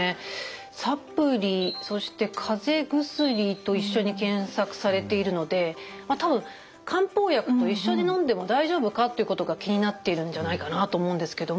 「サプリ」そして「かぜ薬」と一緒に検索されているので多分漢方薬と一緒にのんでも大丈夫かということが気になっているんじゃないかなと思うんですけども。